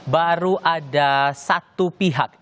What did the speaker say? baru ada satu pihak